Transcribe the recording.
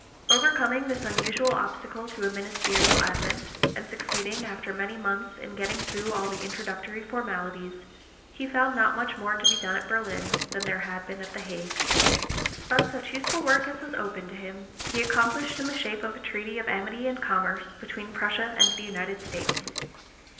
Overcoming this unusual obstacle to a ministerial advent, and succeeding, after many months, in getting through all the introductory formalities, he found not much more to be done at Berlin than there had been at the Hague. But such useful work as was open to him he accomplished in the shape of a treaty of amity and commerce between Prussia and the United States.